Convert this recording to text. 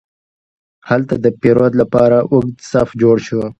هلته د پیرود لپاره اوږد صف جوړ شو.